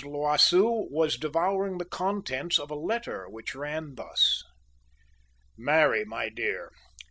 L'Oiseau was devouring the contents of a letter, which ran thus: "MARY, MY DEAR!